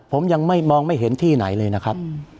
ผมยังไม่มองไม่เห็นที่ไหนเลยนะครับ